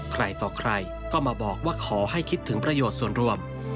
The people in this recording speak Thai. ใครต่อใครก็มาบอกว่าขอให้คิดถึงประโยชน์ส่วนรวม